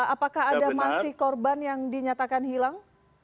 apakah ada masih korban yang dinyatakan hilang